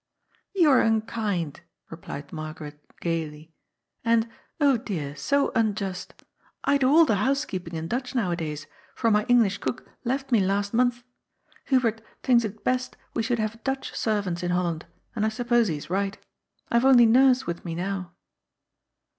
" "You are unkind," replied Margaret gaily, "and, oh dear ! so unjust. I do all the housekeeping in Dutch now adays, for my English cook left me last month. Hubert thinks it best we should have Dutch servants in Holland, and I suppose he is right. I have only Nurse with me now."